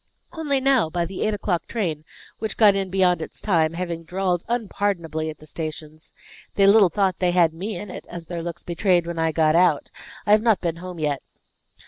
"Only now, by the eight o'clock train, which got in beyond its time, having drawled unpardonably at the stations. They little thought they had me in it, as their looks betrayed when I got out. I have not been home yet."